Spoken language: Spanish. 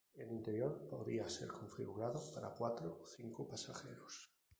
El interior podía ser configurado para cuatro o cinco pasajeros.